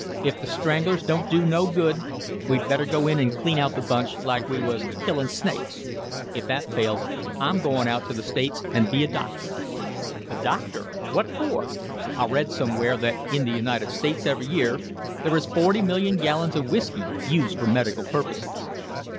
If the 'Stranglers' don't do no good, we'd better go in an' clean out the bunch like we was killin' snakes. If that fails, I'm goin' out to the States an' be a doctor." "A doctor? What for?" "I read somewhere that in the United States every year there is forty million gallons of whiskey used for medical purposes."